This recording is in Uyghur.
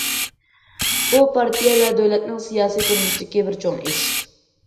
بۇ، پارتىيە ۋە دۆلەتنىڭ سىياسىي تۇرمۇشىدىكى بىر چوڭ ئىش.